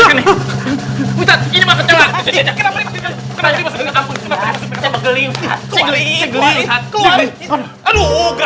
ini udah udah udah di buka